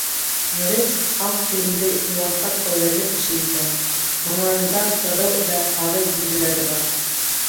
Жрец аҡ кейемле йыуантаҡ кәүҙәле кеше икән, маңлайында ҡыҙыл вә һары билгеләре бар.